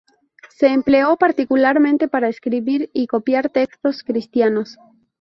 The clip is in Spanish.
Se empleó particularmente para escribir y copiar textos cristianos.